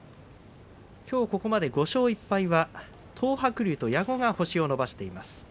きょうここまで５勝１敗は東白龍と矢後が星を伸ばしています。